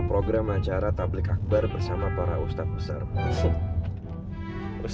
terima kasih ibu haji